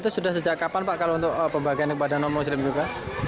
itu sudah sejak kapan pak kalau untuk pembagian kepada non muslim juga